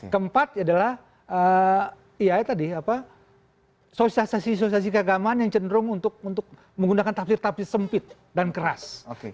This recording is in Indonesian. kempat adalah sosialisasi sosialisasi keagamaan yang cenderung untuk menggunakan tafsir tafsir sempit dan keras